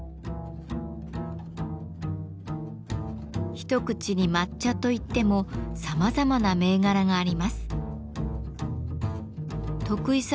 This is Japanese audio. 一口に抹茶といってもさまざまな銘柄があります。